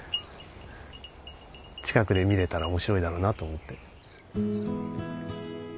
近くで見れたら面白いだろうなと思って。